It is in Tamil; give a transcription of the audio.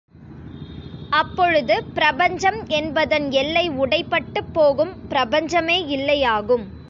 அப்பொழுது பிரபஞ்சம் என்பதன் எல்லை உடை பட்டுப் போகும் பிரபஞ்சமே இல்லையாகும்.